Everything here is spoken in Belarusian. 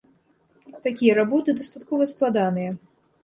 Такія работы дастаткова складаныя.